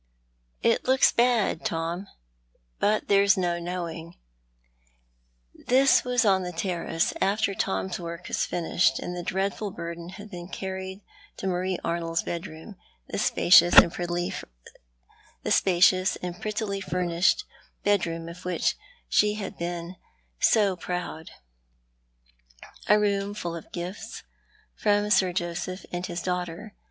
" It looks bad, Tom ; but there's no knowing." This was on the terrace, after Tom's work was finished, and the dreadful biirden had been carried to Marie Arnold's bedroom, the spacious and prettily furnished bedroom of which she had been so proud, a room full of gifts from Sir Joseph and his daughter.